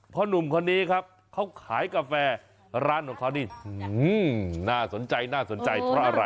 เพราะหนุ่มคนนี้ครับเขาขายกาแฟร้านของเขานี่หน้าสนใจหน้าสนใจ